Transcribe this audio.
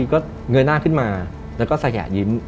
ก็เงยหน้าขึ้นมาแล้วก็สยะยิ้ม